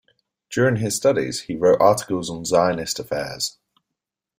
During his studies, he wrote articles on Zionist affairs.